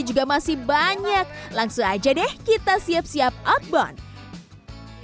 juga masih banyak langsung aja deh kita siap siap outbound